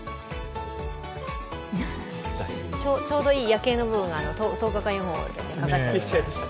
ちょうどいい夜景の部分が１０日間予報で隠れちゃいました。